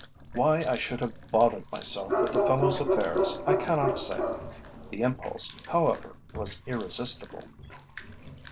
Why I should have bothered myself with the fellow's affairs I cannot say. The impulse, however, was irresistible.